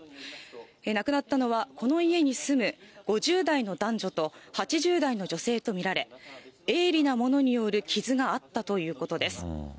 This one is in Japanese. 亡くなったのは、この家に住む５０代の男女と８０代の女性と見られ、鋭利なものによる傷があったということです。